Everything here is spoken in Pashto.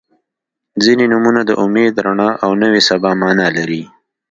• ځینې نومونه د امید، رڼا او نوې سبا معنا لري.